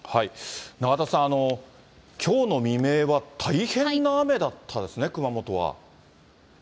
永田さん、きょうの未明は大変な雨だったですね、熊本は。